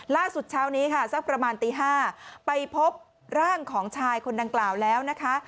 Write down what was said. เช้านี้ค่ะสักประมาณตี๕ไปพบร่างของชายคนดังกล่าวแล้วนะคะ